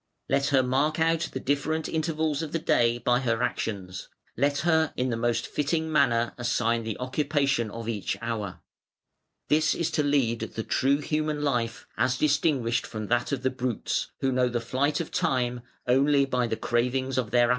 Let her mark out the different intervals of the day by her actions: let her in the most fitting manner assign the occupation of each hour. This is to lead the true human life, as distinguished from that of the brutes, who know the flight of time only by the cravings of their appetites".